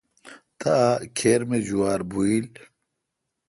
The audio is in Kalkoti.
تا کھیر می جوار بھویل۔